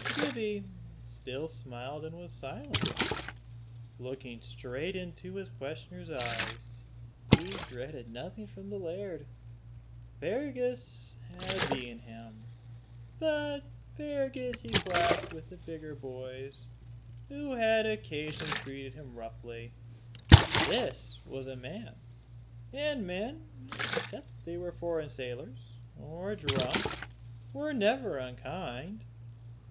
Gibbie still smiled and was silent, looking straight in his questioner's eyes. He dreaded nothing from the laird. Fergus had beaten him, but Fergus he classed with the bigger boys who had occasionally treated him roughly; this was a man, and men, except they were foreign sailors, or drunk, were never unkind.